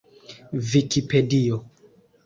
vikipedio